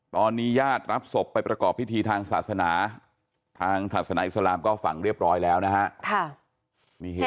ตอนนี้ญาติรับศพไปประกอบพิธีทางศาสนาทางศาสนาอิสลามก็ฝังเรียบร้อยแล้วนะฮะ